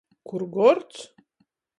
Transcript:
Kur gords!